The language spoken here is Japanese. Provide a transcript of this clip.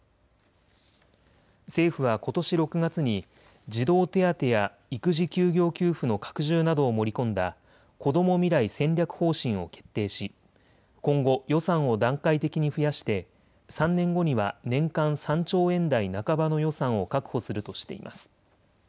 政府はことし６月に児童手当や育児休業給付の拡充などを盛り込んだこども未来戦略方針を決定し今後、予算を段階的に増やして３年後には年間３兆円台半ばの予算を確保するとしています。